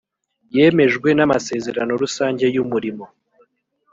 yemejwe n ‘amasezerano rusange y ‘umurimo